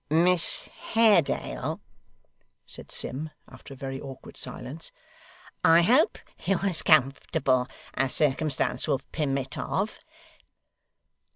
'Miss Haredale,' said Sim, after a very awkward silence, 'I hope you're as comfortable as circumstances will permit of.